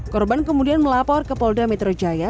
korban kemudian melapor ke polda metro jaya